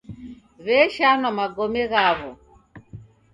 W'eshanwa magome ghaw'o